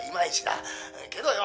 「けどよ